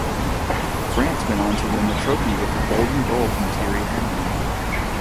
France went on to win the trophy with a golden goal from Thierry Henry.